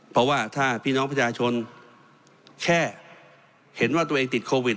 เพราะว่าถ้าพี่น้องประชาชนแค่เห็นว่าตัวเองติดโควิด